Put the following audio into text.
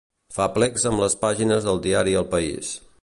Fa plecs amb les pàgines del diari El País.